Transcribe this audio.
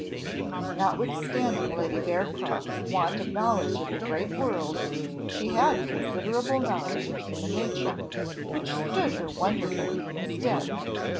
Notwithstanding Lady Bearcroft's want of knowledge of the great world, she had considerable knowledge of human nature, which stood her wonderfully in stead.